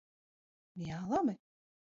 Jā, labi.